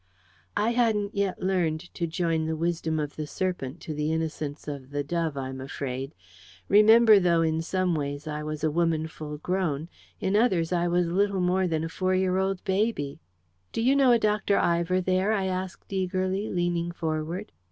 I hadn't yet learned to join the wisdom of the serpent to the innocence of the dove, I'm afraid. Remember, though in some ways I was a woman full grown, in others I was little more than a four year old baby. "Do you know a Dr. Ivor there?" I asked eagerly, leaning forward.